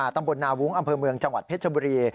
ตำบลนาวุ้งอำเภอเมืองจังหวัดเพชรบุรี